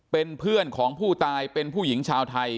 เป็นเพื่อนของผู้ตายเป็นผู้หญิงชาวไทย